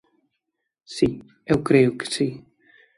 Si, eu creo que si.